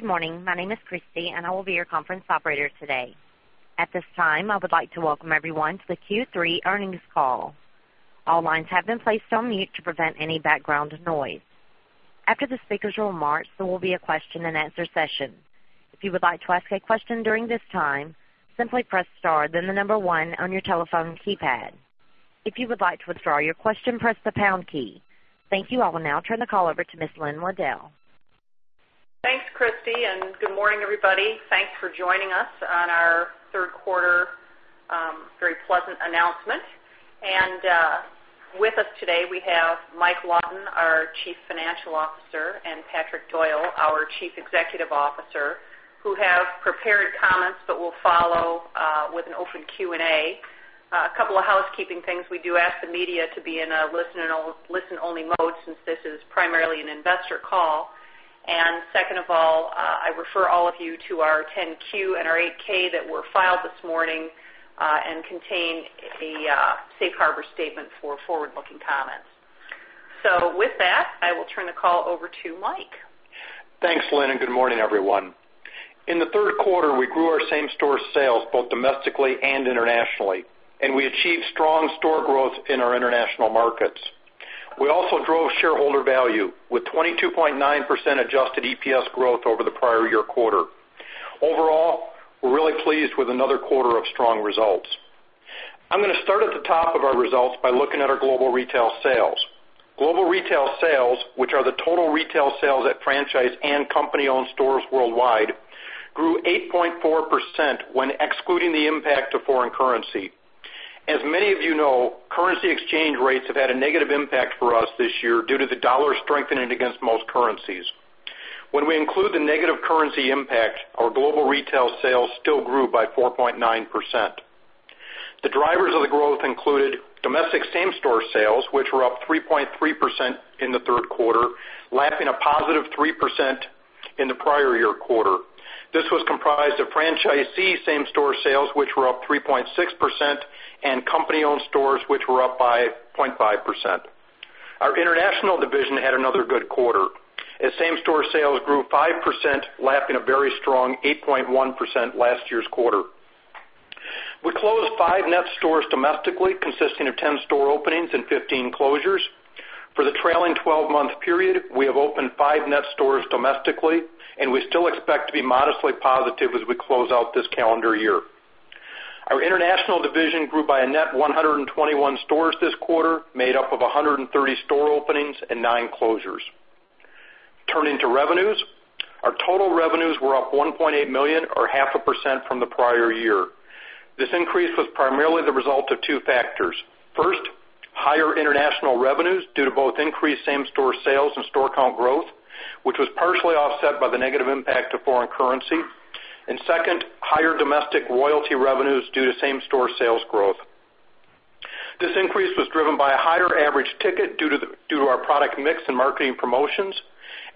Good morning. My name is Christy, and I will be your conference operator today. At this time, I would like to welcome everyone to the Q3 earnings call. All lines have been placed on mute to prevent any background noise. After the speakers' remarks, there will be a question-and-answer session. If you would like to ask a question during this time, simply press star then the number one on your telephone keypad. If you would like to withdraw your question, press the pound key. Thank you. I will now turn the call over to Ms. Lynn Waddell. Thanks, Christy, and good morning, everybody. Thanks for joining us on our third quarter, very pleasant announcement. With us today, we have Mike Lawton, our Chief Financial Officer, and Patrick Doyle, our Chief Executive Officer, who have prepared comments but will follow with an open Q&A. A couple of housekeeping things. We do ask the media to be in a listen-only mode since this is primarily an investor call. Second of all, I refer all of you to our 10-Q and our 8-K that were filed this morning and contain a safe harbor statement for forward-looking comments. With that, I will turn the call over to Mike. Thanks, Lynn, and good morning, everyone. In the third quarter, we grew our same-store sales both domestically and internationally, and we achieved strong store growth in our international markets. We also drove shareholder value with 22.9% adjusted EPS growth over the prior year quarter. Overall, we're really pleased with another quarter of strong results. I'm going to start at the top of our results by looking at our global retail sales. Global retail sales, which are the total retail sales at franchise and company-owned stores worldwide, grew 8.4% when excluding the impact of foreign currency. As many of you know, currency exchange rates have had a negative impact for us this year due to the U.S. dollar strengthening against most currencies. When we include the negative currency impact, our global retail sales still grew by 4.9%. The drivers of the growth included domestic same-store sales, which were up 3.3% in the third quarter, lapping a positive 3% in the prior year quarter. This was comprised of franchisee same-store sales, which were up 3.6%, and company-owned stores, which were up by 0.5%. Our international division had another good quarter, as same-store sales grew 5%, lapping a very strong 8.1% last year's quarter. We closed five net stores domestically, consisting of 10 store openings and 15 closures. For the trailing 12-month period, we have opened five net stores domestically, and we still expect to be modestly positive as we close out this calendar year. Our international division grew by a net 121 stores this quarter, made up of 130 store openings and nine closures. Turning to revenues, our total revenues were up $1.8 million or half a percent from the prior year. This increase was primarily the result of two factors. First, higher international revenues due to both increased same-store sales and store count growth, which was partially offset by the negative impact of foreign currency. Second, higher domestic royalty revenues due to same-store sales growth. This increase was driven by a higher average ticket due to our product mix and marketing promotions,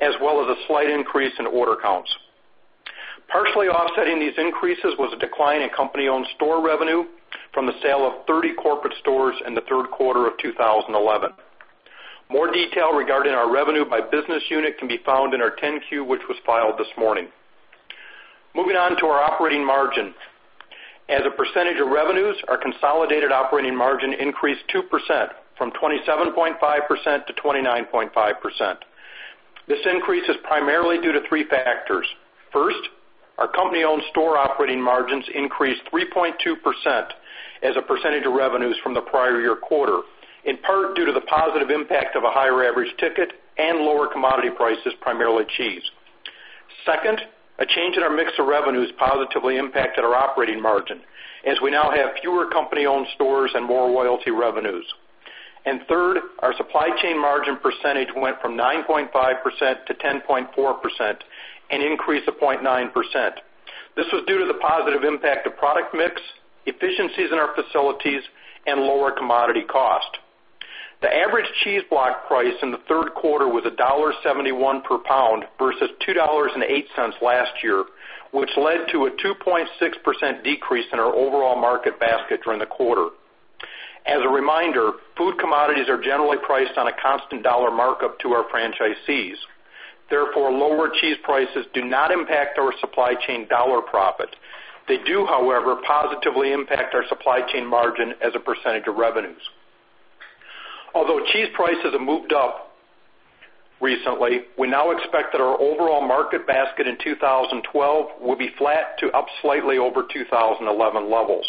as well as a slight increase in order counts. Partially offsetting these increases was a decline in company-owned store revenue from the sale of 30 corporate stores in the third quarter of 2011. More detail regarding our revenue by business unit can be found in our 10-Q, which was filed this morning. Moving on to our operating margin. As a percentage of revenues, our consolidated operating margin increased 2%, from 27.5% to 29.5%. This increase is primarily due to three factors. First, our company-owned store operating margins increased 3.2% as a percentage of revenues from the prior year quarter, in part due to the positive impact of a higher average ticket and lower commodity prices, primarily cheese. Second, a change in our mix of revenues positively impacted our operating margin, as we now have fewer company-owned stores and more royalty revenues. Third, our supply chain margin percentage went from 9.5% to 10.4%, an increase of 0.9%. This was due to the positive impact of product mix, efficiencies in our facilities, and lower commodity cost. The average cheese block price in the third quarter was $1.71 per pound versus $2.08 last year, which led to a 2.6% decrease in our overall market basket during the quarter. As a reminder, food commodities are generally priced on a constant dollar markup to our franchisees. Therefore, lower cheese prices do not impact our supply chain dollar profit. They do, however, positively impact our supply chain margin as a percentage of revenues. Although cheese prices have moved up recently, we now expect that our overall market basket in 2012 will be flat to up slightly over 2011 levels.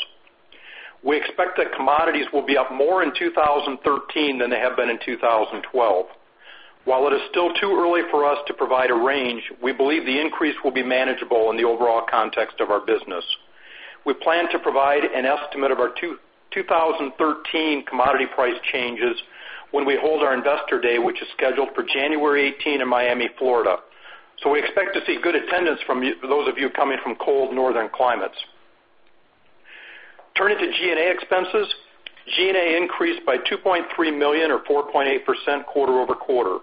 We expect that commodities will be up more in 2013 than they have been in 2012. While it is still too early for us to provide a range, we believe the increase will be manageable in the overall context of our business. We plan to provide an estimate of our 2013 commodity price changes when we hold our Investor Day, which is scheduled for January 18 in Miami, Florida. We expect to see good attendance from those of you coming from cold northern climates. Turning to G&A expenses, G&A increased by $2.3 million or 4.8% quarter-over-quarter.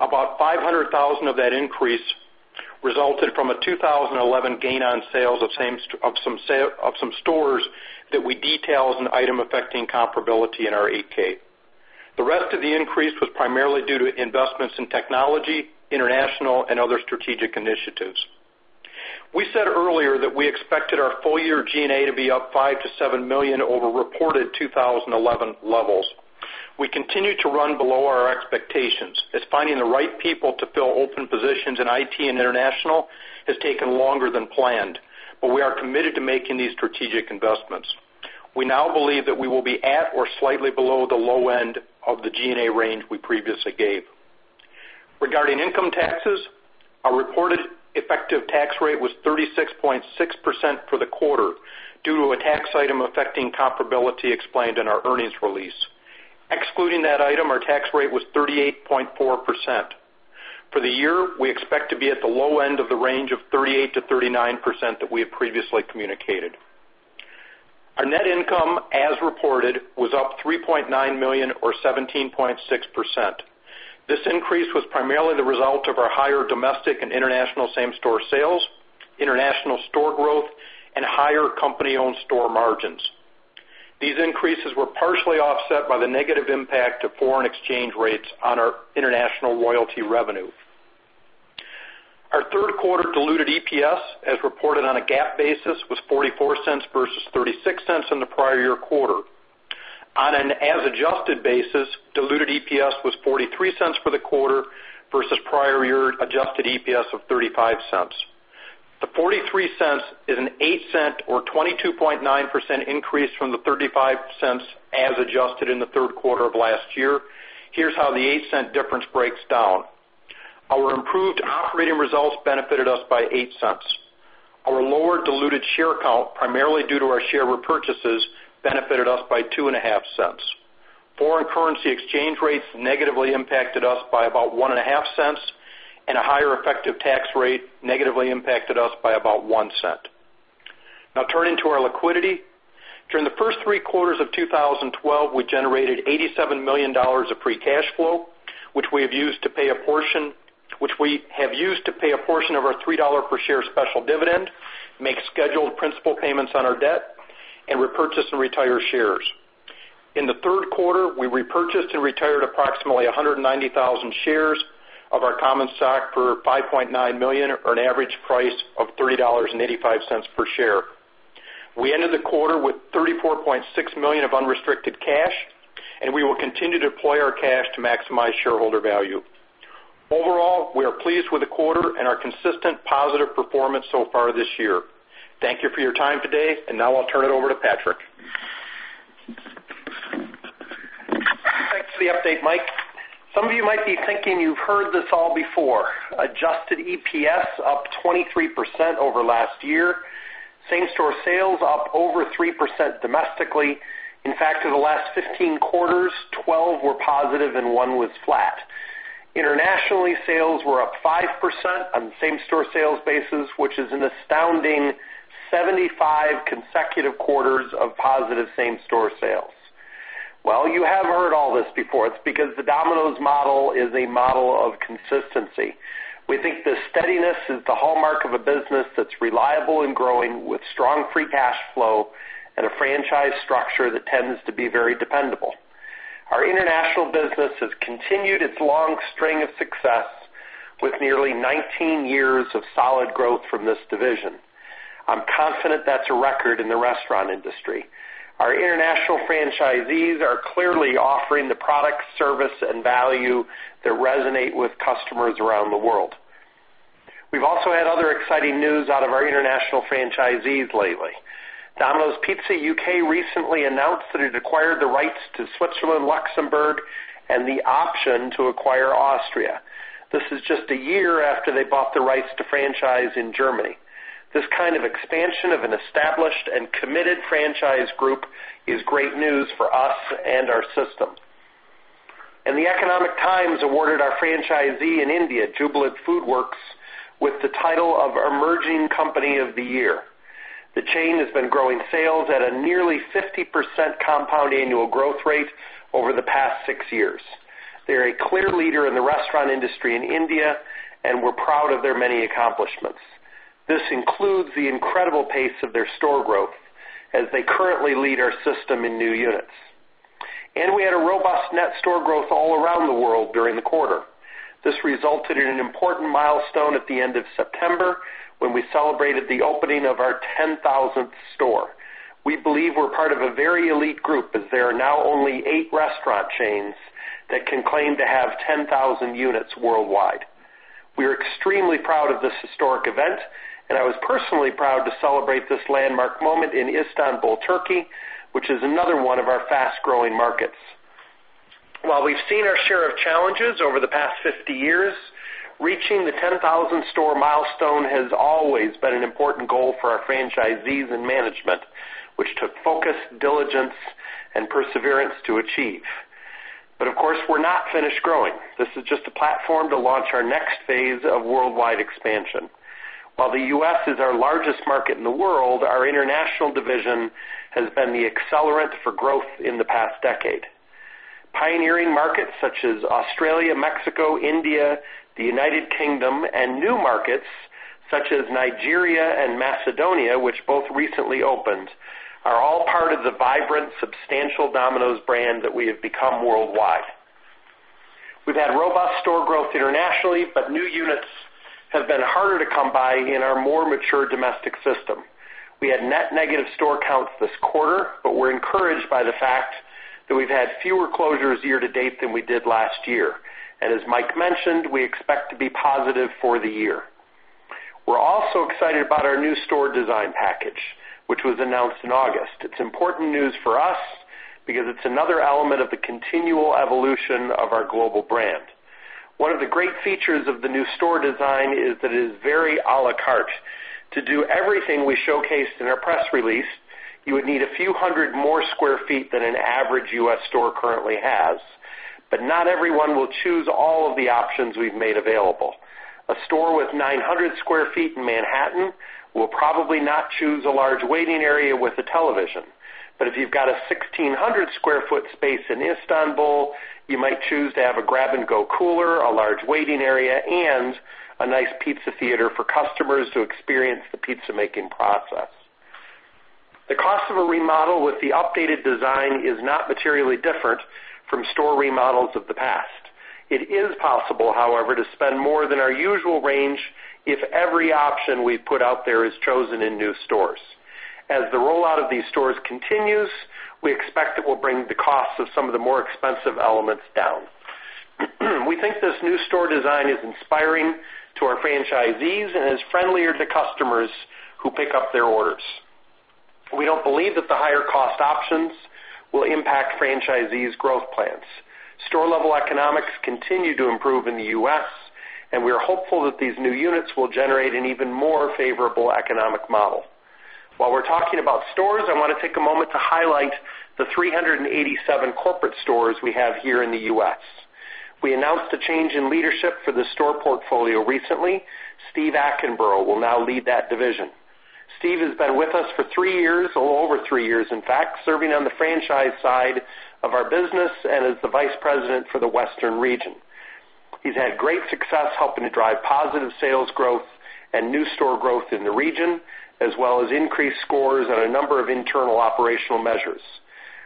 About $500,000 of that increase resulted from a 2011 gain on sales of some stores that we detailed as an item affecting comparability in our 8-K. The rest of the increase was primarily due to investments in technology, international, and other strategic initiatives. We said earlier that we expected our full-year G&A to be up $5 million to $7 million over reported 2011 levels. We continue to run below our expectations, as finding the right people to fill open positions in IT and international has taken longer than planned, but we are committed to making these strategic investments. We now believe that we will be at or slightly below the low end of the G&A range we previously gave. Regarding income taxes, our reported effective tax rate was 36.6% for the quarter due to a tax item affecting comparability explained in our earnings release. Excluding that item, our tax rate was 38.4%. For the year, we expect to be at the low end of the range of 38%-39% that we have previously communicated. Our net income, as reported, was up $3.9 million or 17.6%. This increase was primarily the result of our higher domestic and international same-store sales, international store growth, and higher company-owned store margins. These increases were partially offset by the negative impact of foreign exchange rates on our international royalty revenue. Our third quarter diluted EPS, as reported on a GAAP basis, was $0.44 versus $0.36 in the prior year quarter. On an as-adjusted basis, diluted EPS was $0.43 for the quarter versus prior year adjusted EPS of $0.35. The $0.43 is an 8-cent or 22.9% increase from the $0.35 as adjusted in the third quarter of last year. Here's how the 8-cent difference breaks down. Our improved operating results benefited us by $0.08. Our lower diluted share count, primarily due to our share repurchases, benefited us by $0.025. Foreign currency exchange rates negatively impacted us by about $0.015, and a higher effective tax rate negatively impacted us by about $0.01. Turning to our liquidity. During the first three quarters of 2012, we generated $87 million of free cash flow, which we have used to pay a portion of our $3 per share special dividend, make scheduled principal payments on our debt, and repurchase and retire shares. In the third quarter, we repurchased and retired approximately 190,000 shares of our common stock for $5.9 million at an average price of $30.85 per share. We ended the quarter with $34.6 million of unrestricted cash, we will continue to deploy our cash to maximize shareholder value. Overall, we are pleased with the quarter and our consistent positive performance so far this year. Thank you for your time today, I'll turn it over to Patrick. Thanks for the update, Mike. Some of you might be thinking you've heard this all before. Adjusted EPS up 23% over last year. Same-store sales up over 3% domestically. In fact, of the last 15 quarters, 12 were positive and one was flat. Internationally, sales were up 5% on same-store sales basis, which is an astounding 75 consecutive quarters of positive same-store sales. You have heard all this before. It's because the Domino's model is a model of consistency. We think the steadiness is the hallmark of a business that's reliable and growing with strong free cash flow and a franchise structure that tends to be very dependable. Our international business has continued its long string of success with nearly 19 years of solid growth from this division. I'm confident that's a record in the restaurant industry. Our international franchisees are clearly offering the product, service, and value that resonate with customers around the world. We've also had other exciting news out of our international franchisees lately. Domino's Pizza UK recently announced that it acquired the rights to Switzerland, Luxembourg, and the option to acquire Austria. This is just a year after they bought the rights to franchise in Germany. This kind of expansion of an established and committed franchise group is great news for us and our system. The Economic Times awarded our franchisee in India, Jubilant FoodWorks, with the title of Emerging Company of the Year. The chain has been growing sales at a nearly 50% compound annual growth rate over the past six years. They're a clear leader in the restaurant industry in India, and we're proud of their many accomplishments. This includes the incredible pace of their store growth as they currently lead our system in new units. We had a robust net store growth all around the world during the quarter. This resulted in an important milestone at the end of September when we celebrated the opening of our 10,000th store. We believe we're part of a very elite group, as there are now only eight restaurant chains that can claim to have 10,000 units worldwide. We are extremely proud of this historic event, and I was personally proud to celebrate this landmark moment in Istanbul, Turkey, which is another one of our fast-growing markets. While we've seen our share of challenges over the past 50 years, reaching the 10,000-store milestone has always been an important goal for our franchisees and management, which took focus, diligence, and perseverance to achieve. Of course, we're not finished growing. This is just a platform to launch our next phase of worldwide expansion. While the U.S. is our largest market in the world, our international division has been the accelerant for growth in the past decade. Pioneering markets such as Australia, Mexico, India, the United Kingdom, and new markets such as Nigeria and Macedonia, which both recently opened, are all part of the vibrant, substantial Domino's brand that we have become worldwide. We've had robust store growth internationally, but new units have been harder to come by in our more mature domestic system. We had net negative store counts this quarter, but we're encouraged by the fact that we've had fewer closures year to date than we did last year. As Mike mentioned, we expect to be positive for the year. We're also excited about our new store design package, which was announced in August. It's important news for us because it's another element of the continual evolution of our global brand. One of the great features of the new store design is that it is very à la carte. To do everything we showcased in our press release, you would need a few hundred more square feet than an average U.S. store currently has. Not everyone will choose all of the options we've made available. A store with 900 square feet in Manhattan will probably not choose a large waiting area with a television. If you've got a 1,600-square-foot space in Istanbul, you might choose to have a grab-and-go cooler, a large waiting area, and a nice pizza theater for customers to experience the pizza-making process. The cost of a remodel with the updated design is not materially different from store remodels of the past. It is possible, however, to spend more than our usual range if every option we've put out there is chosen in new stores. As the rollout of these stores continues, we expect it will bring the cost of some of the more expensive elements down. We think this new store design is inspiring to our franchisees and is friendlier to customers who pick up their orders. We don't believe that the higher-cost options will impact franchisees' growth plans. Store-level economics continue to improve in the U.S., and we are hopeful that these new units will generate an even more favorable economic model. While we're talking about stores, I want to take a moment to highlight the 387 corporate stores we have here in the U.S. We announced a change in leadership for the store portfolio recently. Steve Attenborough will now lead that division. Steve has been with us for three years, a little over three years, in fact, serving on the franchise side of our business and as the vice president for the Western region. He's had great success helping to drive positive sales growth and new store growth in the region, as well as increased scores on a number of internal operational measures.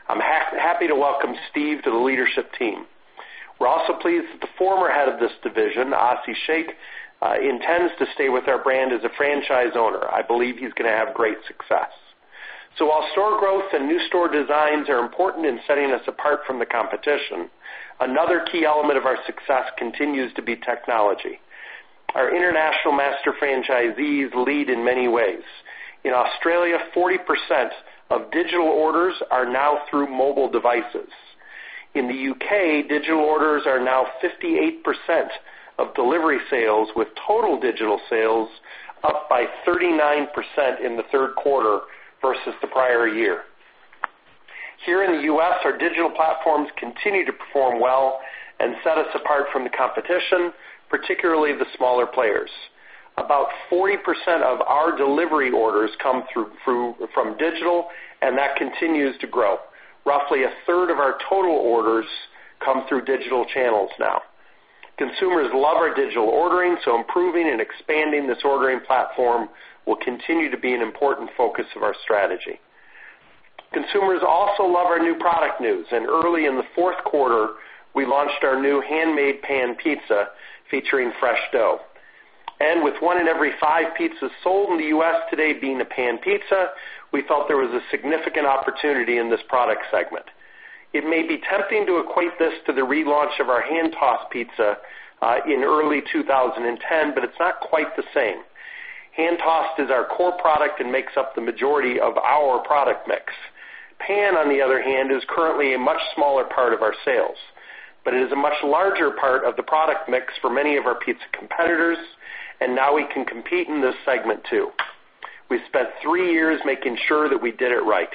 I'm happy to welcome Steve to the leadership team. We're also pleased that the former head of this division, Asi Sheikh, intends to stay with our brand as a franchise owner. I believe he's going to have great success. While store growth and new store designs are important in setting us apart from the competition, another key element of our success continues to be technology. Our international master franchisees lead in many ways. In Australia, 40% of digital orders are now through mobile devices. In the U.K., digital orders are now 58% of delivery sales, with total digital sales up by 39% in the third quarter versus the prior year. Here in the U.S., our digital platforms continue to perform well and set us apart from the competition, particularly the smaller players. About 40% of our delivery orders come from digital, and that continues to grow. Roughly a third of our total orders come through digital channels now. Consumers love our digital ordering, improving and expanding this ordering platform will continue to be an important focus of our strategy. Consumers also love our new product news, and early in the fourth quarter, we launched our new Handmade Pan Pizza featuring fresh dough. With one in every five pizzas sold in the U.S. today being a pan pizza, we felt there was a significant opportunity in this product segment. It may be tempting to equate this to the relaunch of our Hand-Tossed Pizza in early 2010, it's not quite the same. Hand-Tossed is our core product and makes up the majority of our product mix. Pan, on the other hand, is currently a much smaller part of our sales, but it is a much larger part of the product mix for many of our pizza competitors, and now we can compete in this segment, too. We spent three years making sure that we did it right.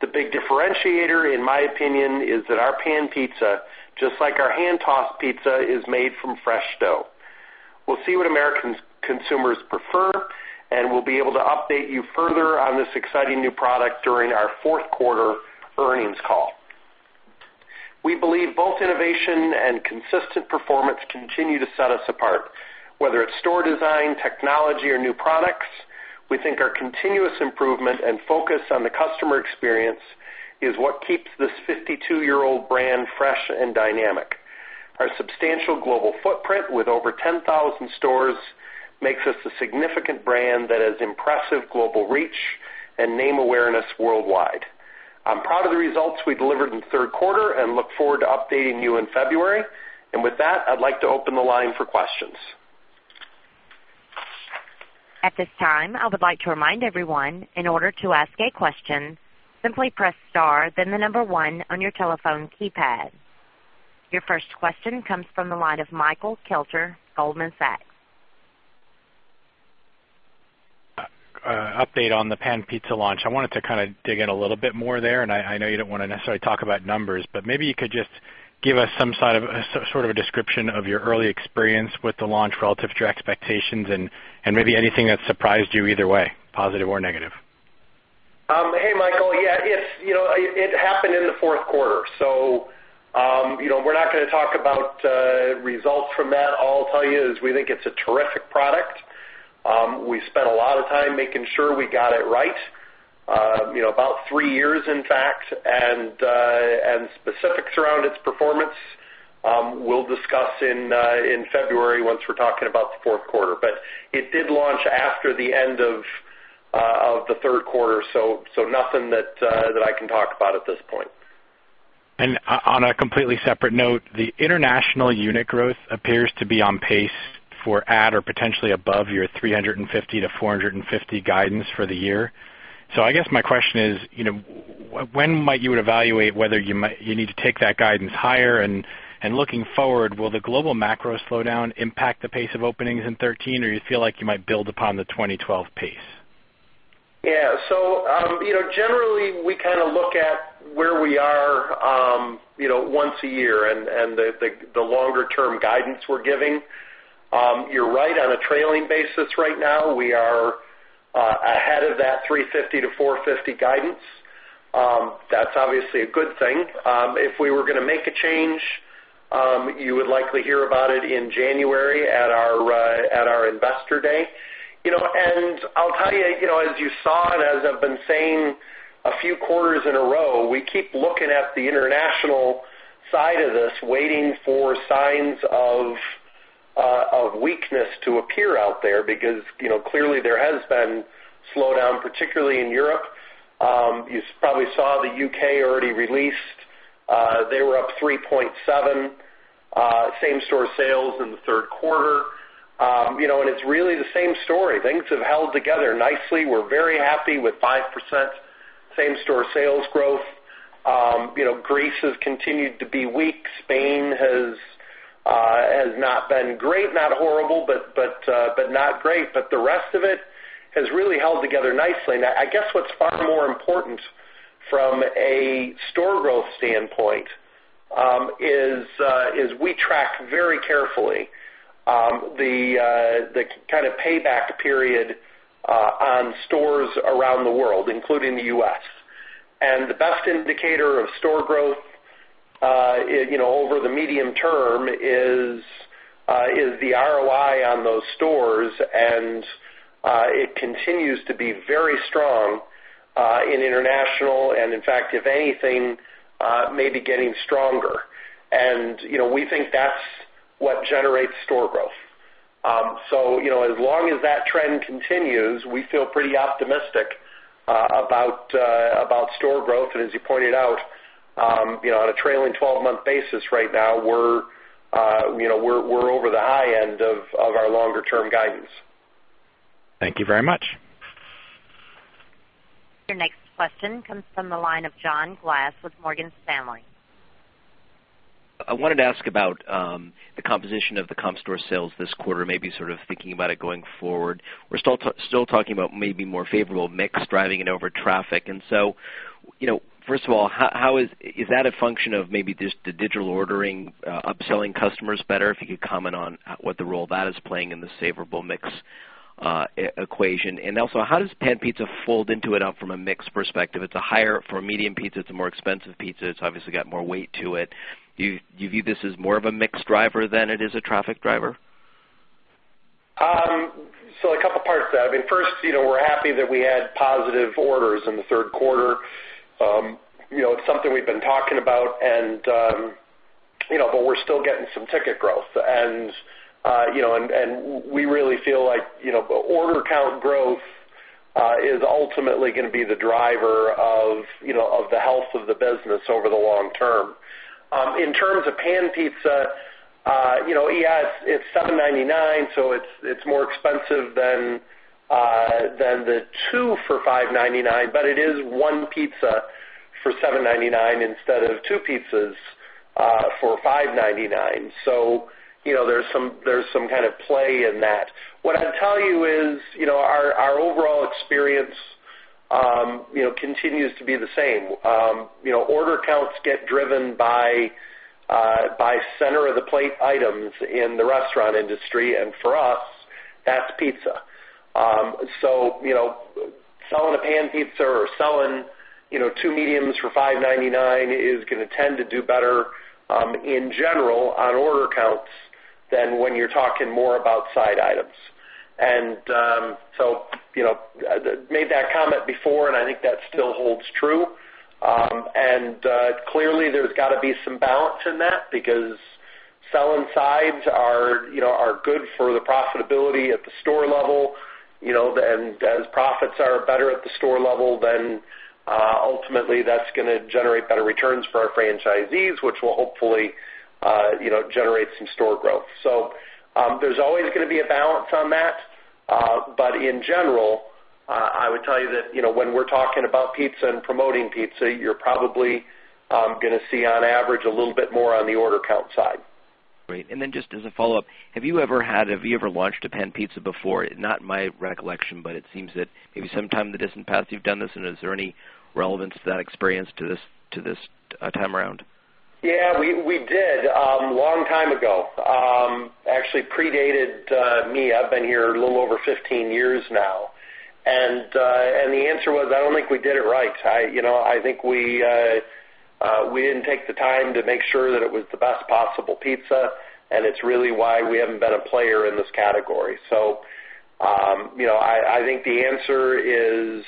The big differentiator, in my opinion, is that our pan pizza, just like our Hand-Tossed Pizza, is made from fresh dough. We'll see what American consumers prefer, and we'll be able to update you further on this exciting new product during our fourth quarter earnings call. We believe both innovation and consistent performance continue to set us apart. Whether it's store design, technology, or new products, we think our continuous improvement and focus on the customer experience is what keeps this 52-year-old brand fresh and dynamic. Our substantial global footprint with over 10,000 stores makes us a significant brand that has impressive global reach and name awareness worldwide. I'm proud of the results we delivered in the third quarter and look forward to updating you in February. With that, I'd like to open the line for questions. At this time, I would like to remind everyone, in order to ask a question, simply press star then the number 1 on your telephone keypad. Your first question comes from the line of Michael Kelter, Goldman Sachs. Update on the pan pizza launch. I wanted to dig in a little bit more there, and I know you don't want to necessarily talk about numbers, but maybe you could just give us some sort of a description of your early experience with the launch relative to your expectations and maybe anything that surprised you either way, positive or negative. Hey, Michael. Yeah, it happened in the fourth quarter. We're not going to talk about results from that. All I'll tell you is we think it's a terrific product. We spent a lot of time making sure we got it right. About three years, in fact. Specifics around its performance, we'll discuss in February once we're talking about the fourth quarter. It did launch after the end of the third quarter, so nothing that I can talk about at this point. On a completely separate note, the international unit growth appears to be on pace for at or potentially above your 350-450 guidance for the year. I guess my question is, when might you evaluate whether you need to take that guidance higher? Looking forward, will the global macro slowdown impact the pace of openings in 2013? You feel like you might build upon the 2012 pace? Generally, we kind of look at where we are once a year and the longer-term guidance we're giving. You're right. On a trailing basis right now, we are ahead of that 350 to 450 guidance. That's obviously a good thing. If we were going to make a change, you would likely hear about it in January at our Investor Day. I'll tell you, as you saw and as I've been saying a few quarters in a row, we keep looking at the international side of this, waiting for signs of weakness to appear out there, because clearly there has been slowdown, particularly in Europe. You probably saw the U.K. already released. They were up 3.7% same-store sales in the third quarter. It's really the same story. Things have held together nicely. We're very happy with 5% same-store sales growth. Greece has continued to be weak. Spain has not been great. Not horrible, but not great. The rest of it has really held together nicely. Now, I guess what's far more important from a store growth standpoint is we track very carefully the kind of payback period on stores around the world, including the U.S. The best indicator of store growth over the medium term is the ROI on those stores, and it continues to be very strong in international. In fact, if anything, may be getting stronger. We think that's what generates store growth. As long as that trend continues, we feel pretty optimistic about store growth. As you pointed out, on a trailing 12-month basis right now, we're over the high end of our longer-term guidance. Thank you very much. Your next question comes from the line of John Glass with Morgan Stanley. I wanted to ask about the composition of the comp store sales this quarter, maybe sort of thinking about it going forward. We're still talking about maybe more favorable mix driving it over traffic. First of all, is that a function of maybe just the digital ordering upselling customers better? If you could comment on what the role that is playing in the favorable mix equation. Also, how does Pan Pizza fold into it out from a mix perspective? It's a higher-- For a medium pizza, it's a more expensive pizza. It's obviously got more weight to it. Do you view this as more of a mix driver than it is a traffic driver? A couple parts to that. I mean, first, we're happy that we had positive orders in the third quarter. It's something we've been talking about, but we're still getting some ticket growth. We really feel like order count growth is ultimately going to be the driver of the health of the business over the long term. In terms of Pan Pizza, yes, it's $7.99, so it's more expensive than the two for $5.99, but it is one pizza for $7.99 instead of two pizzas for $5.99. There's some kind of play in that. What I'd tell you is, our overall experience continues to be the same. Order counts get driven by center-of-the-plate items in the restaurant industry, and for us, that's pizza. Selling a Pan Pizza or selling two mediums for $5.99 is going to tend to do better in general on order counts than when you're talking more about side items. Made that comment before, and I think that still holds true. Clearly, there's got to be some balance in that because selling sides are good for the profitability at the store level. As profits are better at the store level, ultimately that's going to generate better returns for our franchisees, which will hopefully generate some store growth. There's always going to be a balance on that. In general, I would tell you that when we're talking about pizza and promoting pizza, you're probably going to see, on average, a little bit more on the order count side. Great. Just as a follow-up, have you ever launched a Pan Pizza before? Not my recollection, but it seems that maybe sometime in the distant past you've done this, and is there any Relevant to that experience to this time around. Yeah, we did, a long time ago. Actually predated me. I've been here a little over 15 years now. The answer was, I don't think we did it right. I think we didn't take the time to make sure that it was the best possible pizza, and it's really why we haven't been a player in this category. I think the answer is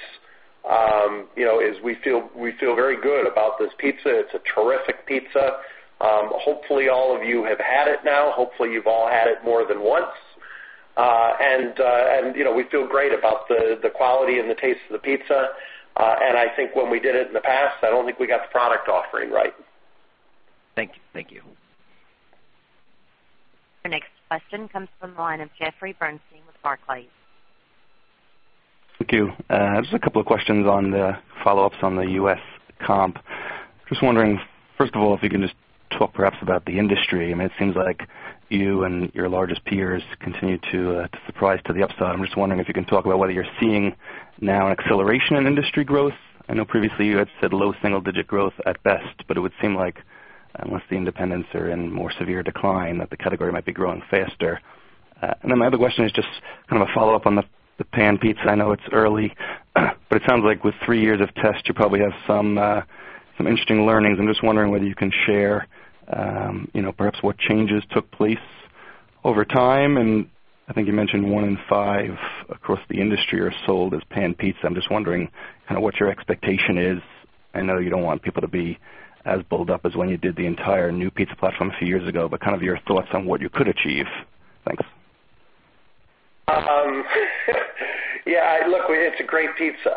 we feel very good about this pizza. It's a terrific pizza. Hopefully, all of you have had it now. Hopefully, you've all had it more than once. We feel great about the quality and the taste of the pizza. I think when we did it in the past, I don't think we got the product offering right. Thank you. Your next question comes from the line of Jeffrey Bernstein with Barclays. Thank you. Just 2 questions on the follow-ups on the U.S. comp. Just wondering, first of all, if you can just talk perhaps about the industry. It seems like you and your largest peers continue to surprise to the upside. I am just wondering if you can talk about whether you are seeing now an acceleration in industry growth. I know previously you had said low single-digit growth at best, but it would seem like, unless the independents are in more severe decline, that the category might be growing faster. My other question is just kind of a follow-up on the pan pizza. I know it is early, but it sounds like with 3 years of tests, you probably have some interesting learnings. I am just wondering whether you can share perhaps what changes took place over time. I think you mentioned 1 in 5 across the industry are sold as pan pizza. I am just wondering what your expectation is. I know you do not want people to be as bulled up as when you did the entire new pizza platform a few years ago, but kind of your thoughts on what you could achieve. Thanks. Yeah, look, it is a great pizza.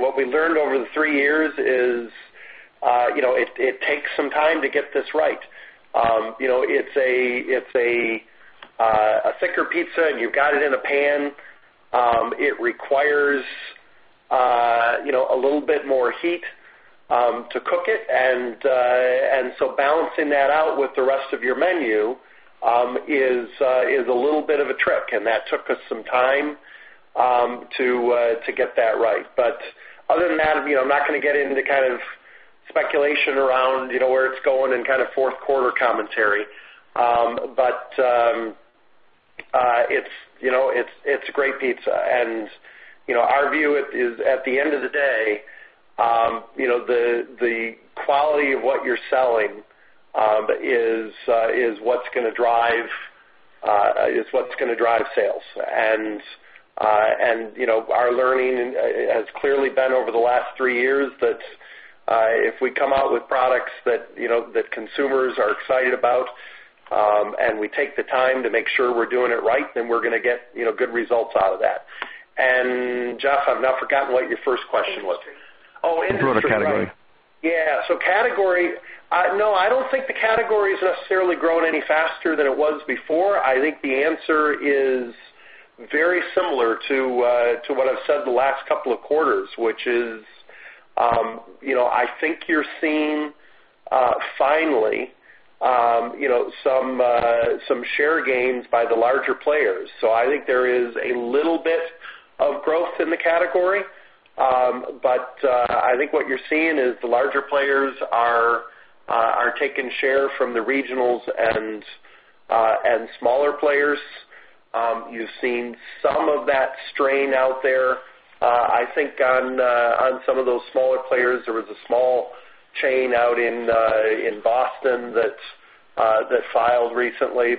What we learned over the 3 years is, it takes some time to get this right. It is a thicker pizza, and you have got it in a pan. It requires a little bit more heat to cook it. Balancing that out with the rest of your menu is a little bit of a trick, and that took us some time to get that right. Other than that, I am not going to get into speculation around where it is going and fourth-quarter commentary. It is a great pizza, and our view is, at the end of the day, the quality of what you are selling is what is going to drive sales. Our learning has clearly been over the last 3 years that if we come out with products that consumers are excited about, and we take the time to make sure we are doing it right, then we are going to get good results out of that. Jeff, I have now forgotten what your first question was. Industry. Oh, industry. Growth of category. Yeah. No, I don't think the category has necessarily grown any faster than it was before. I think the answer is very similar to what I've said the last couple of quarters, which is, I think you're seeing, finally, some share gains by the larger players. I think there is a little bit of growth in the category. I think what you're seeing is the larger players are taking share from the regionals and smaller players. You've seen some of that strain out there, I think, on some of those smaller players. There was a small chain out in Boston that filed recently.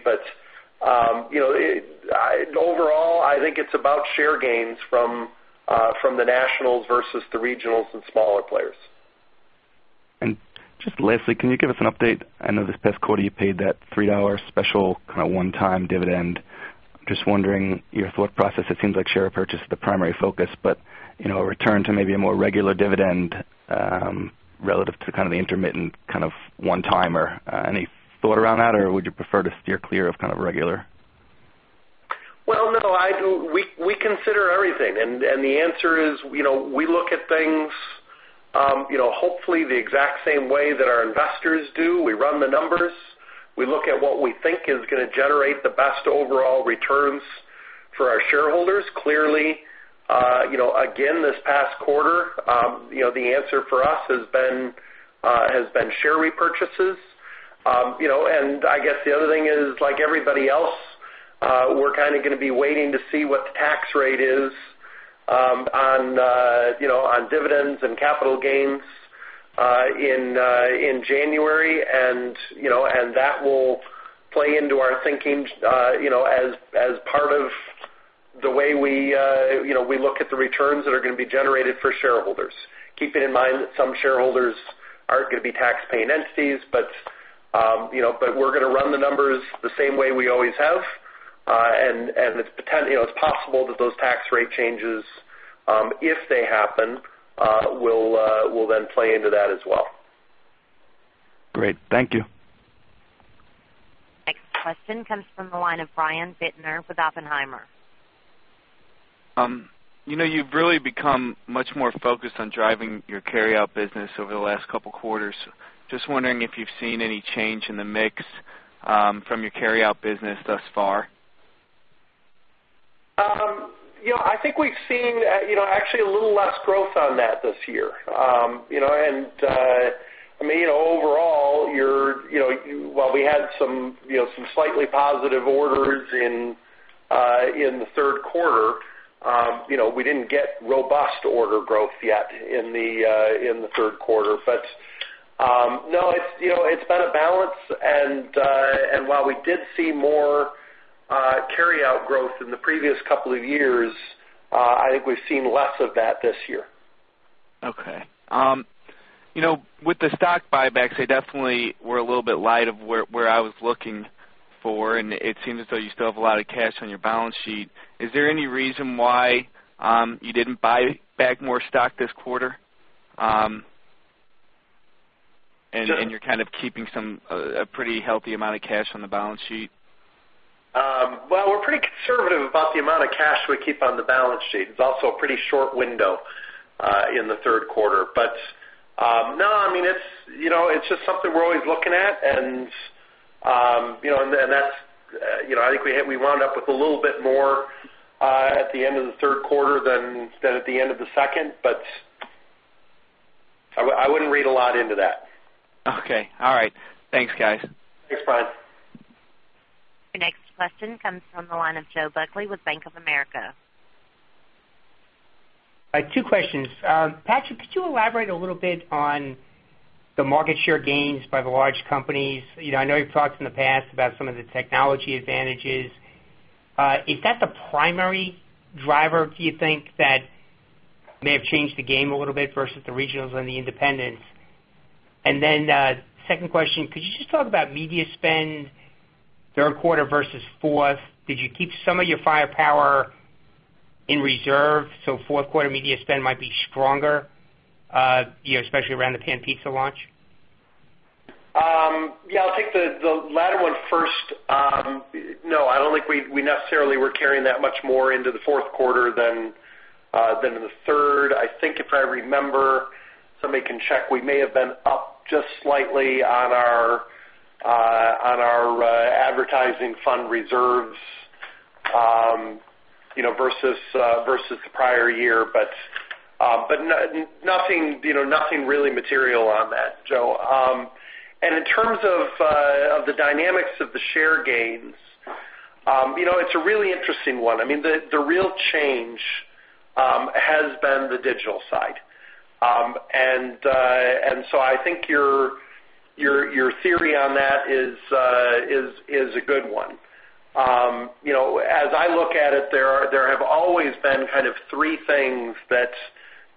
Overall, I think it's about share gains from the nationals versus the regionals and smaller players. Just lastly, can you give us an update? I know this past quarter you paid that $3 special one-time dividend. I'm just wondering your thought process. It seems like share repurchase is the primary focus, a return to maybe a more regular dividend, relative to the intermittent one-timer. Any thought around that, or would you prefer to steer clear of regular? Well, no. We consider everything. The answer is, we look at things hopefully the exact same way that our investors do. We run the numbers. We look at what we think is going to generate the best overall returns for our shareholders. Clearly, again, this past quarter, the answer for us has been share repurchases. I guess the other thing is, like everybody else, we're going to be waiting to see what the tax rate is on dividends and capital gains in January, and that will play into our thinking as part of the way we look at the returns that are going to be generated for shareholders. Keeping in mind that some shareholders aren't going to be tax-paying entities, but we're going to run the numbers the same way we always have. It's possible that those tax rate changes, if they happen, will then play into that as well. Great. Thank you. Next question comes from the line of Brian Bittner with Oppenheimer. You've really become much more focused on driving your carry-out business over the last couple of quarters. Just wondering if you've seen any change in the mix from your carry-out business thus far? I think we've seen actually a little less growth on that this year. Overall, while we had some slightly positive orders in the third quarter, we didn't get robust order growth yet in the third quarter. No, it's been a balance and while we did see more carry-out growth in the previous couple of years, I think we've seen less of that this year. Okay. With the stock buybacks, they definitely were a little bit light of where I was looking for, and it seems as though you still have a lot of cash on your balance sheet. Is there any reason why you didn't buy back more stock this quarter? You're keeping a pretty healthy amount of cash on the balance sheet. Well, we're pretty conservative about the amount of cash we keep on the balance sheet. It's also a pretty short window in the third quarter. No, it's just something we're always looking at, and I think we wound up with a little bit more at the end of the third quarter than at the end of the second, but I wouldn't read a lot into that. Okay. All right. Thanks, guys. Thanks, Brian. Your next question comes from the line of Joseph Buckley with Bank of America. I have two questions. Patrick, could you elaborate a little bit on the market share gains by the large companies? I know you've talked in the past about some of the technology advantages. Is that the primary driver, do you think, that may have changed the game a little bit versus the regionals and the independents? Second question, could you just talk about media spend, third quarter versus fourth? Did you keep some of your firepower in reserve, so fourth quarter media spend might be stronger, especially around the Pan Pizza launch? Yeah, I'll take the latter one first. No, I don't think we necessarily were carrying that much more into the fourth quarter than in the third. I think if I remember, somebody can check, we may have been up just slightly on our advertising fund reserves, versus the prior year. Nothing really material on that, Joe. In terms of the dynamics of the share gains, it's a really interesting one. The real change has been the digital side. I think your theory on that is a good one. As I look at it, there have always been kind of three things that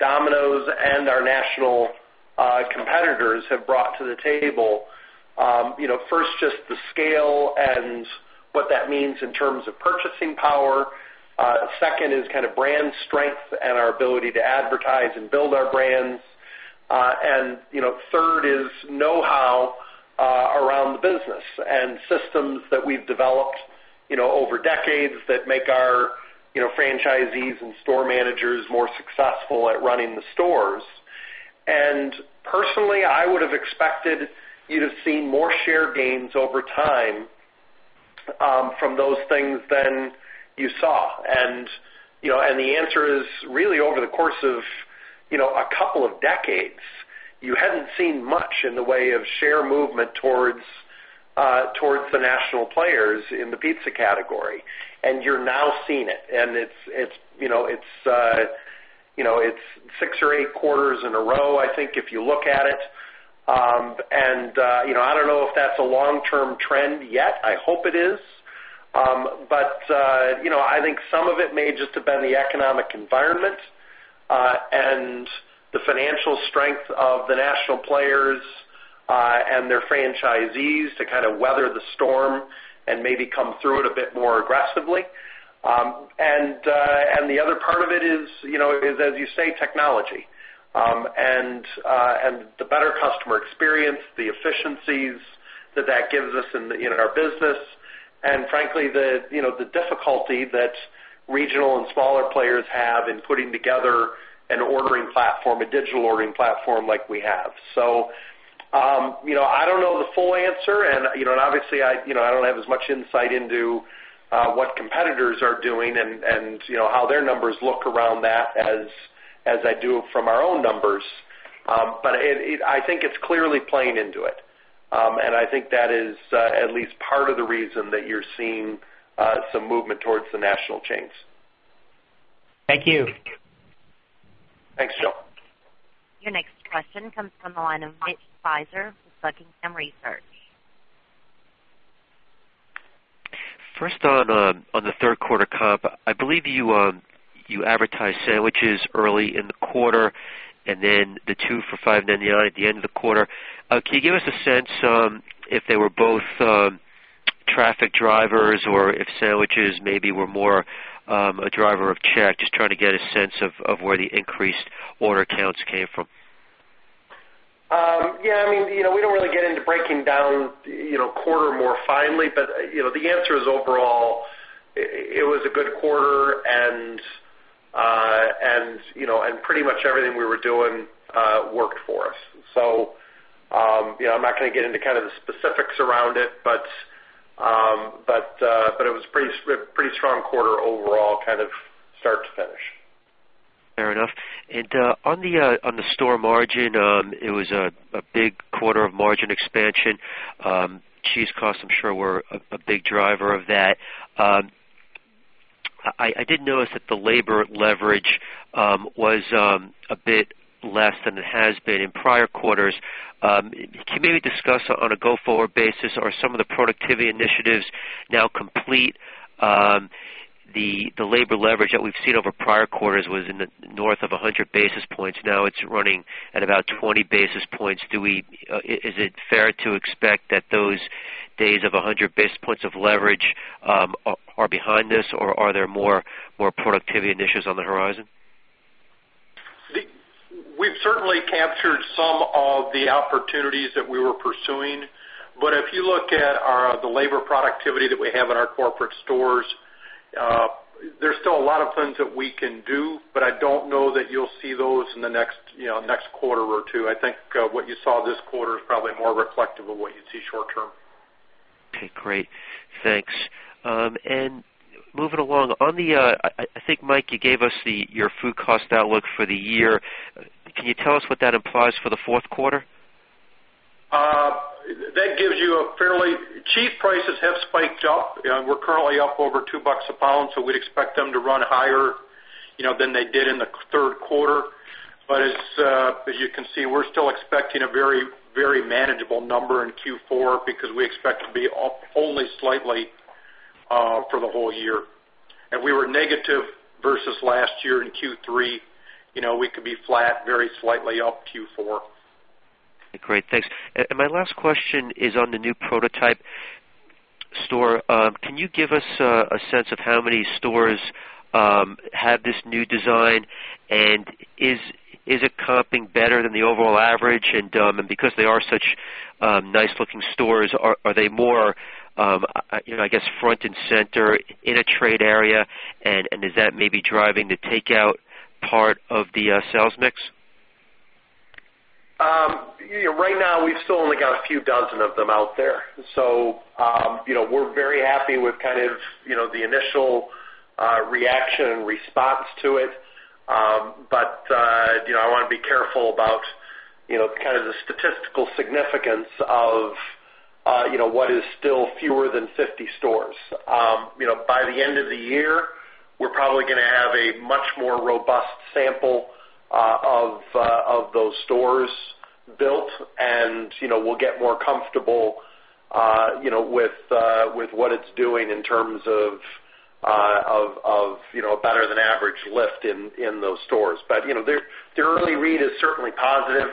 Domino's and our national competitors have brought to the table. First, just the scale and what that means in terms of purchasing power. Second is brand strength and our ability to advertise and build our brands. Third is know-how around the business and systems that we've developed over decades that make our franchisees and store managers more successful at running the stores. Personally, I would have expected you to have seen more share gains over time from those things than you saw. The answer is really over the course of a couple of decades, you hadn't seen much in the way of share movement towards the national players in the pizza category, and you're now seeing it, and it's six or eight quarters in a row, I think, if you look at it. I don't know if that's a long-term trend yet. I hope it is. I think some of it may just have been the economic environment, and the financial strength of the national players, and their franchisees to weather the storm and maybe come through it a bit more aggressively. The other part of it is, as you say, technology. The better customer experience, the efficiencies that that gives us in our business, and frankly, the difficulty that regional and smaller players have in putting together an ordering platform, a digital ordering platform like we have. I don't know the full answer, and obviously, I don't have as much insight into what competitors are doing and how their numbers look around that as I do from our own numbers. I think it's clearly playing into it. I think that is at least part of the reason that you're seeing some movement towards the national chains. Thank you. Thanks, Joe. Your next question comes from the line of Mitch Speiser with Buckingham Research. First on the third quarter comp. I believe you advertised sandwiches early in the quarter, then the 2 for $5.99 at the end of the quarter. Can you give us a sense if they were both traffic drivers or if sandwiches maybe were more a driver of check? Just trying to get a sense of where the increased order counts came from. Yeah. We don't really get into breaking down quarter more finely, the answer is overall, it was a good quarter. And pretty much everything we were doing worked for us. I'm not going to get into the specifics around it, but it was a pretty strong quarter overall, start to finish. Fair enough. On the store margin, it was a big quarter of margin expansion. Cheese costs, I'm sure, were a big driver of that. I did notice that the labor leverage was a bit less than it has been in prior quarters. Can you maybe discuss on a go-forward basis, are some of the productivity initiatives now complete? The labor leverage that we've seen over prior quarters was north of 100 basis points. Now it's running at about 20 basis points. Is it fair to expect that those days of 100 basis points of leverage are behind us, or are there more productivity initiatives on the horizon? We've certainly captured some of the opportunities that we were pursuing. If you look at the labor productivity that we have in our corporate stores, there's still a lot of things that we can do, but I don't know that you'll see those in the next quarter or two. I think what you saw this quarter is probably more reflective of what you'd see short term. Okay, great. Thanks. Moving along, I think, Mike, you gave us your food cost outlook for the year. Can you tell us what that implies for the fourth quarter? Cheese prices have spiked up. We're currently up over $2 a pound, we'd expect them to run higher than they did in the third quarter. As you can see, we're still expecting a very manageable number in Q4 because we expect to be up only slightly for the whole year. We were negative versus last year in Q3. We could be flat, very slightly up Q4. Great. Thanks. My last question is on the new prototype store. Can you give us a sense of how many stores have this new design, and is it comping better than the overall average? Because they are such nice-looking stores, are they more front and center in a trade area, and is that maybe driving the takeout part of the sales mix? Right now, we've still only got a few dozen of them out there. We're very happy with the initial reaction and response to it. I want to be careful about the statistical significance of what is still fewer than 50 stores. By the end of the year, we're probably going to have a much more robust sample of those stores built, and we'll get more comfortable with what it's doing in terms of better than average lift in those stores. The early read is certainly positive.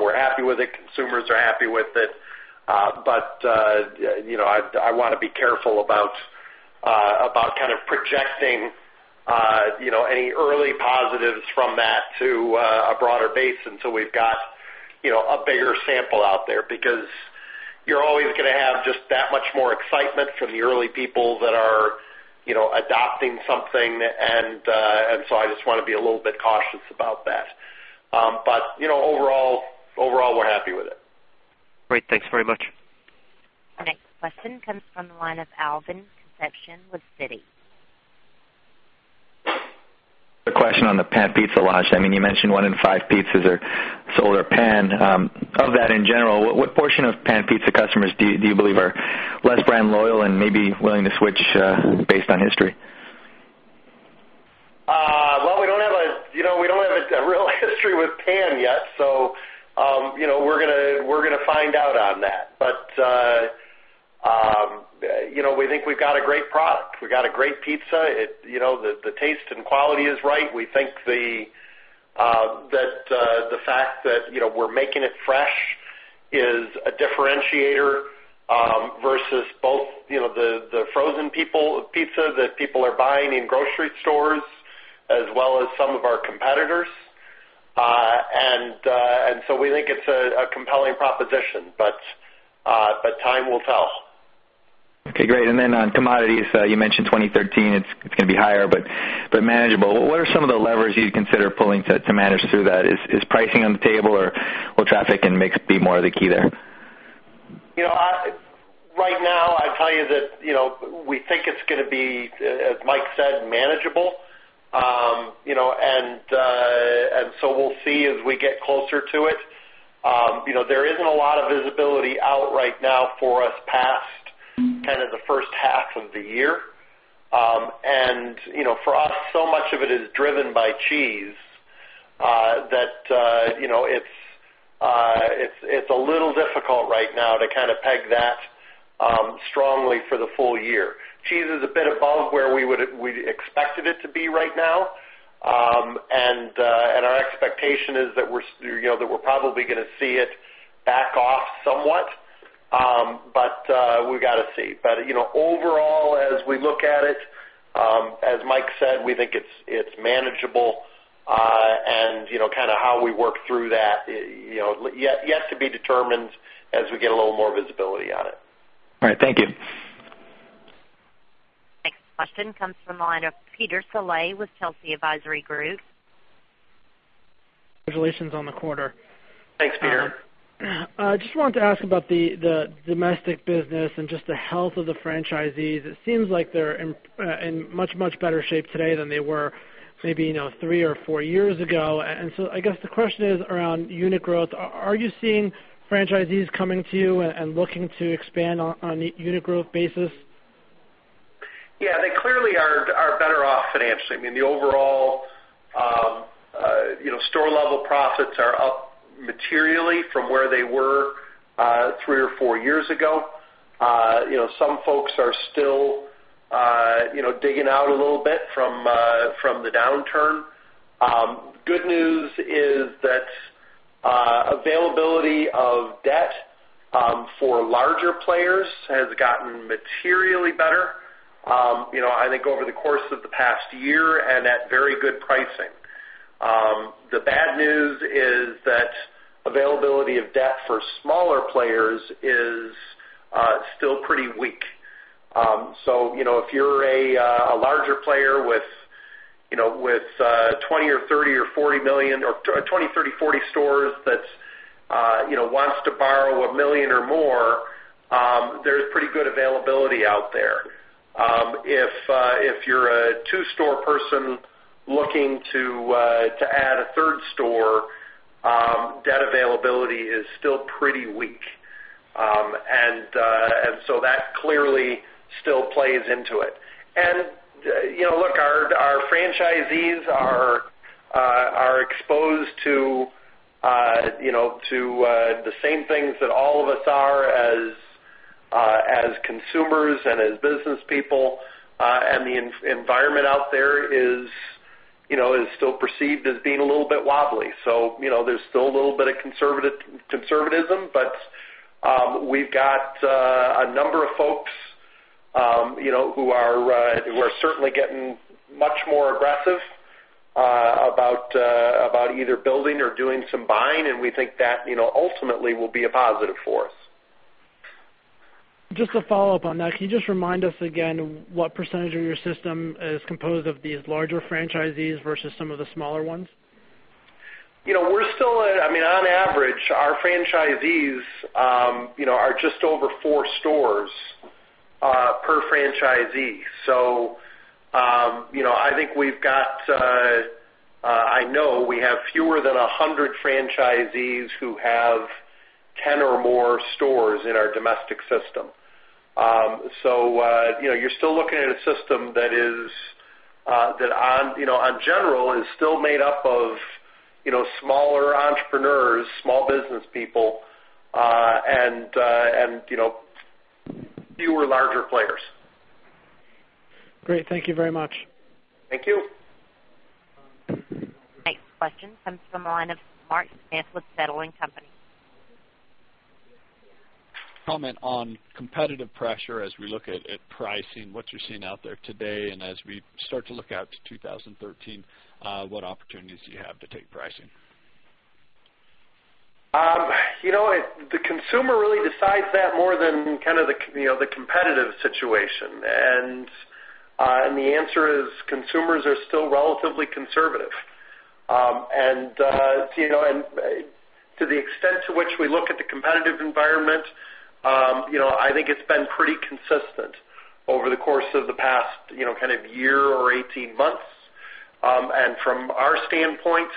We're happy with it. Consumers are happy with it. I want to be careful about projecting any early positives from that to a broader base until we've got a bigger sample out there, because you're always going to have just that much more excitement from the early people that are adopting something, I just want to be a little bit cautious about that. Overall, we're happy with it. Great. Thanks very much. Our next question comes from the line of Alvin Concepcion with Citi. A question on the pan pizza launch. You mentioned one in five pizzas are sold are pan. Of that in general, what portion of pan pizza customers do you believe are less brand loyal and maybe willing to switch based on history? Well, we don't have a real history with pan yet. We're going to find out on that. We think we've got a great product. We've got a great pizza. The taste and quality is right. We think that the fact that we're making it fresh is a differentiator versus both the frozen pizza that people are buying in grocery stores, as well as some of our competitors. We think it's a compelling proposition, but time will tell. Okay, great. On commodities, you mentioned 2013, it's going to be higher, but manageable. What are some of the levers you'd consider pulling to manage through that? Is pricing on the table or will traffic and mix be more of the key there? Right now, I'd tell you that we think it's going to be, as Mike said, manageable. We'll see as we get closer to it. There isn't a lot of visibility out right now for us past the first half of the year. For us, so much of it is driven by cheese that it's a little difficult right now to peg that strongly for the full year. Cheese is a bit above where we expected it to be right now, and our expectation is that we're probably going to see it back off somewhat, but we got to see. Overall, as we look at it, as Mike said, we think it's manageable, and how we work through that, yet to be determined as we get a little more visibility on it. All right. Thank you. Next question comes from the line of Peter Saleh with Telsey Advisory Group. Congratulations on the quarter. Thanks, Peter. Just wanted to ask about the domestic business and just the health of the franchisees. It seems like they're in much, much better shape today than they were maybe three or four years ago. I guess the question is around unit growth. Are you seeing franchisees coming to you and looking to expand on a unit growth basis? Yeah, they clearly are better off financially. I mean, the overall store level profits are up materially from where they were three or four years ago. Some folks are still digging out a little bit from the downturn. Good news is that availability of debt for larger players has gotten materially better, I think over the course of the past year, and at very good pricing. The bad news is that availability of debt for smaller players is still pretty weak. If you're a larger player with $20 million or $30 million or $40 million, or 20, 30, 40 stores that wants to borrow $1 million or more, there's pretty good availability out there. If you're a two-store person looking to add a third store, debt availability is still pretty weak. That clearly still plays into it. Look, our franchisees are exposed to the same things that all of us are as consumers and as business people. The environment out there is still perceived as being a little bit wobbly. There's still a little bit of conservatism, but we've got a number of folks who are certainly getting much more aggressive about either building or doing some buying, and we think that ultimately will be a positive force. Just to follow up on that, can you just remind us again what percentage of your system is composed of these larger franchisees versus some of the smaller ones? On average, our franchisees are just over four stores per franchisee. I know we have fewer than 100 franchisees who have 10 or more stores in our domestic system. You're still looking at a system that on general is still made up of smaller entrepreneurs, small business people, and fewer larger players. Great. Thank you very much. Thank you. Next question comes from the line of Mark Smith with Feltl and Company. Comment on competitive pressure as we look at pricing, what you're seeing out there today, and as we start to look out to 2013, what opportunities do you have to take pricing? The consumer really decides that more than kind of the competitive situation. The answer is consumers are still relatively conservative. To the extent to which we look at the competitive environment, I think it's been pretty consistent over the course of the past year or 18 months. From our standpoint,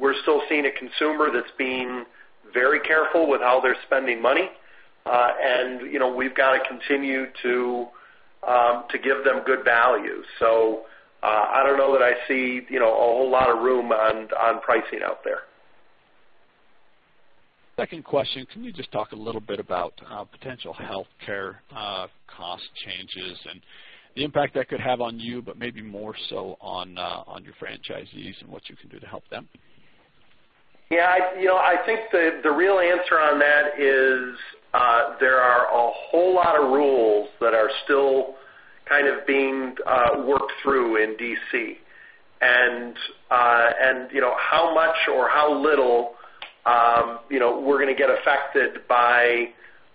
we're still seeing a consumer that's being very careful with how they're spending money. We've got to continue to give them good value. I don't know that I see a whole lot of room on pricing out there. Second question, can we just talk a little bit about potential healthcare cost changes and the impact that could have on you, but maybe more so on your franchisees and what you can do to help them? Yeah. I think the real answer on that is there are a whole lot of rules that are still kind of being worked through in D.C. How much or how little we're going to get affected by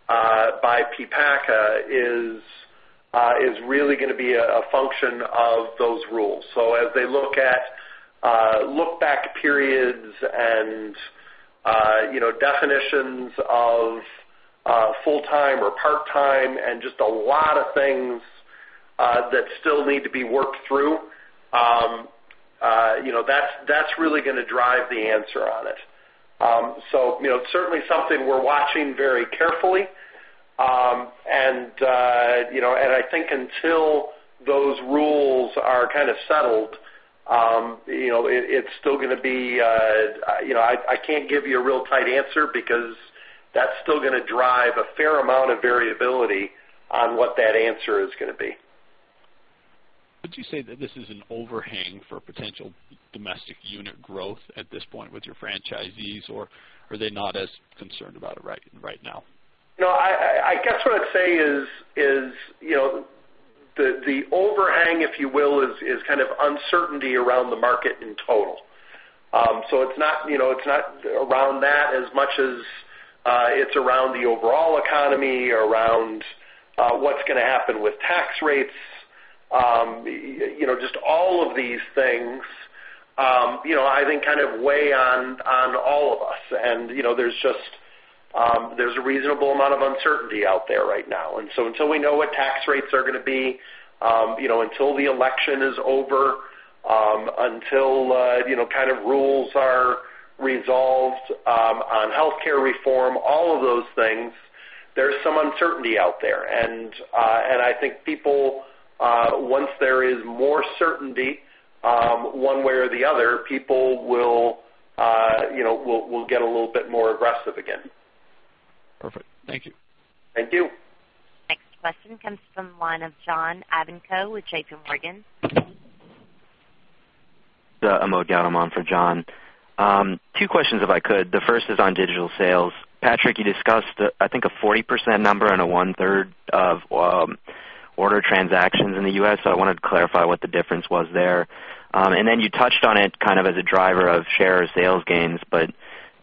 PPACA is really going to be a function of those rules. As they look at look-back periods and definitions of full-time or part-time and just a lot of things that still need to be worked through, that's really going to drive the answer on it. It's certainly something we're watching very carefully. I think until those rules are kind of settled, it's still going to be. I can't give you a real tight answer because that's still going to drive a fair amount of variability on what that answer is going to be. Would you say that this is an overhang for potential domestic unit growth at this point with your franchisees, or are they not as concerned about it right now? No, I guess what I'd say is the overhang, if you will, is kind of uncertainty around the market in total. It's not around that as much as it's around the overall economy, around what's going to happen with tax rates. Just all of these things, I think, kind of weigh on all of us. There's a reasonable amount of uncertainty out there right now. Until we know what tax rates are going to be, until the election is over, until kind of rules are resolved on healthcare reform, all of those things, there's some uncertainty out there. I think people, once there is more certainty, one way or the other, people will get a little bit more aggressive again. Perfect. Thank you. Thank you. Next question comes from the line of John Ivankoe with J.P. Morgan. This is Amogh Gautam on for John. Two questions if I could. The first is on digital sales. Patrick, you discussed, I think, a 40% number and a one-third of order transactions in the U.S., so I wanted to clarify what the difference was there. Then you touched on it kind of as a driver of share sales gains,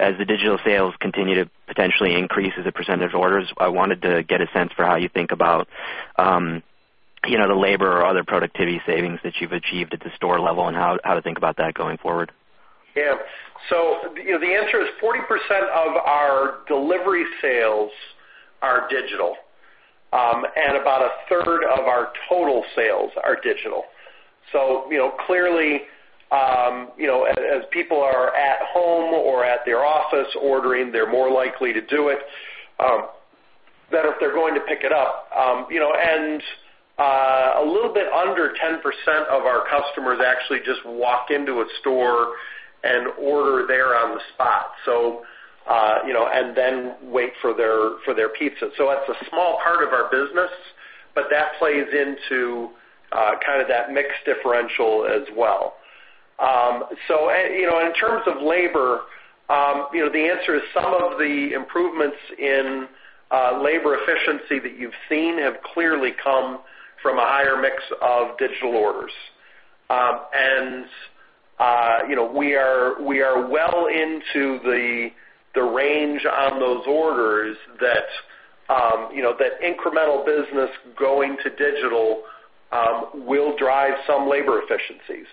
as the digital sales continue to potentially increase as a percentage orders, I wanted to get a sense for how you think about the labor or other productivity savings that you've achieved at the store level, and how to think about that going forward. Yeah. The answer is 40% of our delivery sales are digital. About a third of our total sales are digital. Clearly, as people are at home or at their office ordering, they're more likely to do it than if they're going to pick it up. A little bit under 10% of our customers actually just walk into a store and order there on the spot, and then wait for their pizza. That's a small part of our business, but that plays into kind of that mix differential as well. In terms of labor, the answer is some of the improvements in labor efficiency that you've seen have clearly come from a higher mix of digital orders. We are well into the range on those orders that incremental business going to digital will drive some labor efficiencies.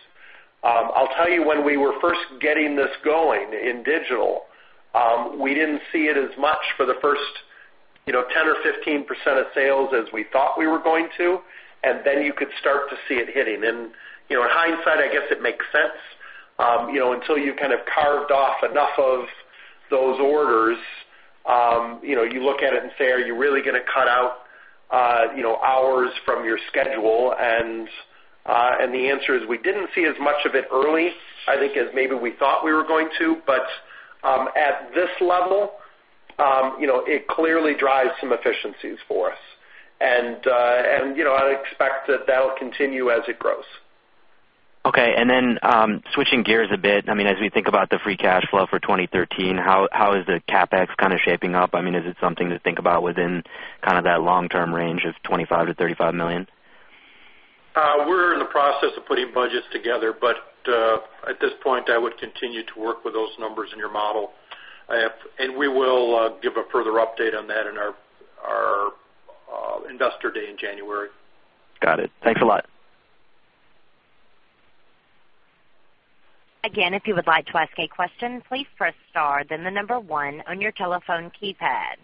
I'll tell you, when we were first getting this going in digital, we didn't see it as much for the first 10% or 15% of sales as we thought we were going to, then you could start to see it hitting. In hindsight, I guess it makes sense. Until you've kind of carved off enough of those orders, you look at it and say, "Are you really going to cut out hours from your schedule?" The answer is, we didn't see as much of it early, I think, as maybe we thought we were going to. At this level, it clearly drives some efficiencies for us. I expect that will continue as it grows. Okay. Then switching gears a bit. As we think about the free cash flow for 2013, how is the CapEx kind of shaping up? Is it something to think about within that long-term range of $25 million-$35 million? We're in the process of putting budgets together, at this point, I would continue to work with those numbers in your model. We will give a further update on that in our Investor Day in January. Got it. Thanks a lot. if you would like to ask a question, please press star then 1 on your telephone keypad.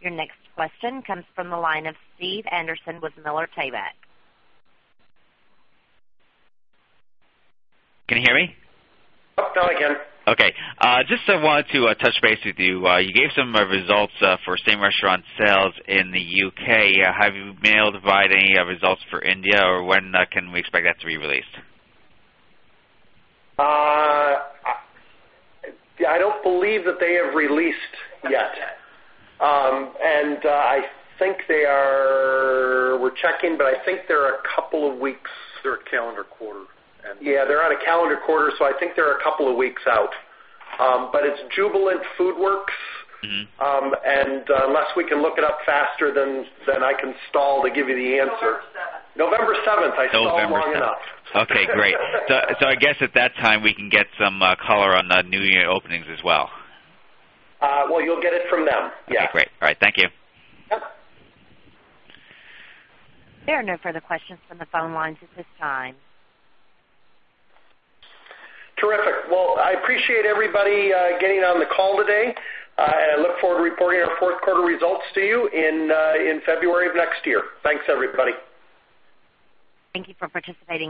Your next question comes from the line of Steve Anderson with Miller Tabak. Can you hear me? Now I can. Okay. Just wanted to touch base with you. You gave some results for same-restaurant sales in the U.K. Have you been able to provide any results for India, or when can we expect that to be released? I don't believe that they have released yet. We're checking, but I think they're a couple of weeks out. They're a calendar quarter. Yeah, they're on a calendar quarter, so I think they're a couple of weeks out. It's Jubilant FoodWorks. Unless we can look it up faster than I can stall to give you the answer. November 7th. November 7th. I stalled long enough. Okay, great. I guess at that time, we can get some color on the new year openings as well. You'll get it from them. Yeah. Okay, great. All right. Thank you. Yep. There are no further questions from the phone lines at this time. Terrific. Well, I appreciate everybody getting on the call today. I look forward to reporting our fourth quarter results to you in February of next year. Thanks, everybody. Thank you for participating in.